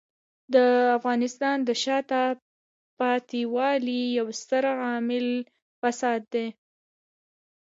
د افغانستان د شاته پاتې والي یو ستر عامل فساد دی.